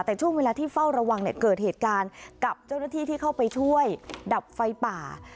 แต่ช่วงเวลาที่เฝ้าระวังเนี่ยเกิดเหตุการณ์กับเจ้าหน้าที่ที่เข้าไปช่วยดับไฟป่า